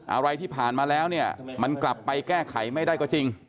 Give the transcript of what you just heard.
อะไรที่ผ่านมาแล้วเนี่ยมันกลับไปแก้ไขไม่ได้ก็จริง